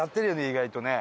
意外とね。